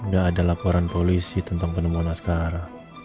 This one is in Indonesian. gak ada laporan polisi tentang penemuan naskah